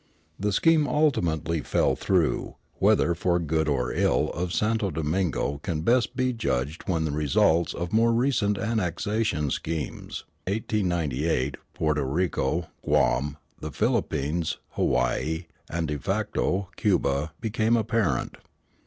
The scheme ultimately fell through, whether for the good or ill of Santo Domingo can best be judged when the results of more recent annexation schemes [1898: Puerto Rico, Guam, the Philippines, Hawaii, and de facto Cuba] become apparent.